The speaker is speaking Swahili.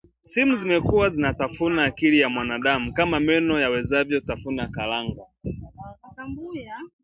Simu zimekuwa zinatafuna akili ya mwanadamu kama meno yawezavyo tafuna karanga